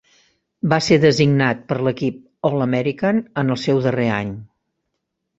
Va ser designat per l'equip All-American en el seu darrer any.